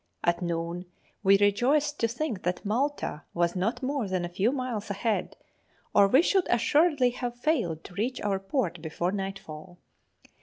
At noon we rejoiced to think that Malta was not more than a few miles ahead, or we should assuredly have failed to reach our port before nightfall.